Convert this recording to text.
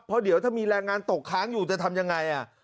เพราะเดี๋ยวถ้ามีแรงงานตกค้างอยู่จะทำยังไง